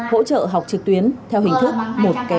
hỗ trợ học trực tuyến theo hình thức một kè một